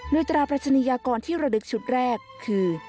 โดยตราปรัชนียากรที่ระดึกชุดแรกคือ